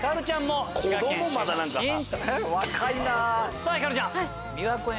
さぁひかるちゃん。